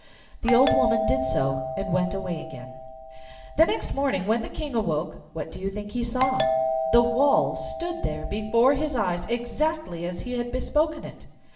The old woman did so and went away again. The next morning, when the King awoke, what do you think he saw? The wall stood there before his eyes, exactly as he had bespoken it!